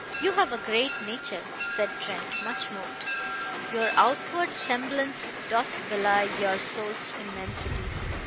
"You have a great nature," said Trent, much moved. "Your outward semblance doth belie your soul's immensity.